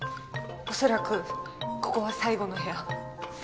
恐らくここは最後の部屋。